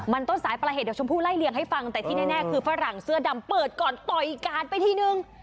มันต้นสายปลาเหตุเดี๋ยวชมพู่ไล่เลี่ยงให้ฟังแต่ที่แน่คือฝรั่งเสื้อดำเปิดก่อนต่อยกาดไปทีนึง